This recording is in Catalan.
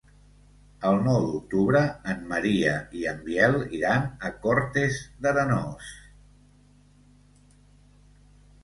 El nou d'octubre en Maria i en Biel iran a Cortes d'Arenós.